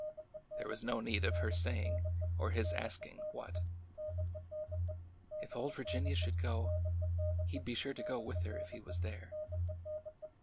'' There was no need of her saying, or his asking, what. If old Vir ginia should go, he 'd be sure to go with her if he was there."